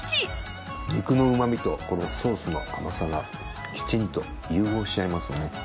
肉のうまみとこのソースの甘さがきちんと融合し合いますね。